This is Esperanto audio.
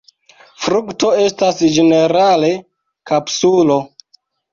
Frukto estas ĝenerale kapsulo.